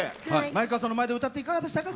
前川さんの前で歌っていかがでしたか？